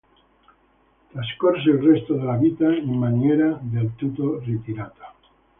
Trascorse il resto della vita in maniera del tutto ritirata.